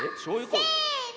せの！